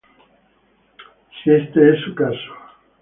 Si este es su caso